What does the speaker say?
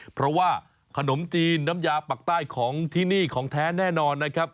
เพราะว่าขนมจีนน้ำยาปักใต้ของที่นี่ของแท้แน่นอนนะครับ